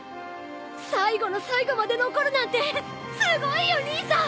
最後の最後まで残るなんてすごいよ兄さん！